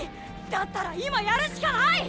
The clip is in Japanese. だったら今やるしかない！